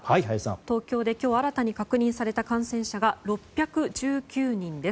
東京で今日新たに確認されたのは６１９人です。